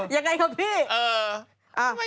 อย่างไรอ่ะพี่